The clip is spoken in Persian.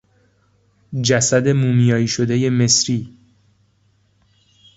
جسد مومیایی شدهی مصری